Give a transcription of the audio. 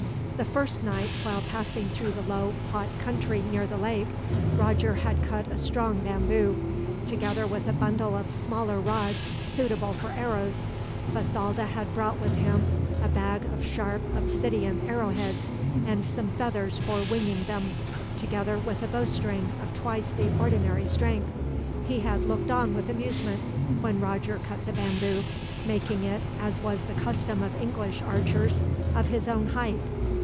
The first night, while passing through the low, hot country near the lake, Roger had cut a strong bamboo; together with a bundle of smaller rods, suitable for arrows. Bathalda had brought with him a bag of sharp obsidian arrowheads, and some feathers for winging them, together with a bowstring of twice the ordinary strength. He had looked on with amusement when Roger cut the bamboo, making it, as was the custom of English archers, of his own height.